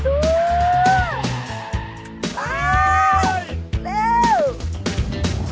เร็ว